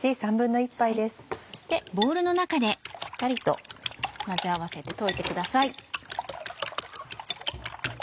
そしてしっかりと混ぜ合わせて溶いてください。